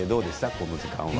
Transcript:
この時間は。